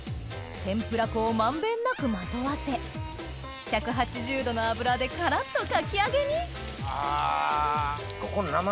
天ぷら粉を満遍なくまとわせ１８０度の油でカラっとかき揚げにあ。